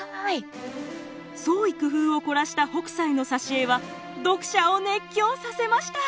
創意工夫を凝らした北斎の挿絵は読者を熱狂させました。